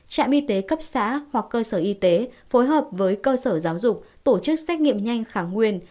trạm y tế cấp xã hoặc cơ sở y tế phối hợp với cơ sở giáo dục tổ chức xét nghiệm nhanh khẳng nguyên